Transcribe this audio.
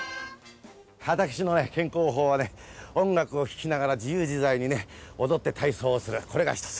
私の健康法はね、音楽を聴きながら、自由自在にね、踊って体操をする、これが一つ。